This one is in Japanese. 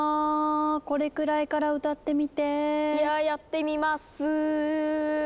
「これくらいから歌ってみて」「ややってみます」